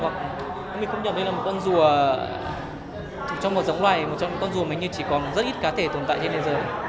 mình không nhận thấy là một con rùa trong một giống loài một con rùa mà chỉ còn rất ít cá thể tồn tại trên thế giới